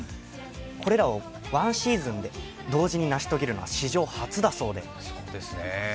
これらをワンシーズンで同時に成し遂げるのは史上初だそうです。